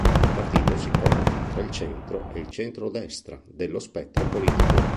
Il partito si colloca tra il Centro e il Centro-destra dello spettro politico.